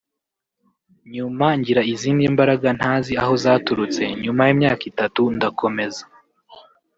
nyuma ngira izindi mbaraga ntazi aho zaturutse nyuma y’imyaka itatu ndakomeza